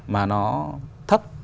mà nó thấp